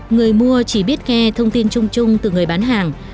người mua chỉ biết nghe thông tin chung chung từ người bán hàng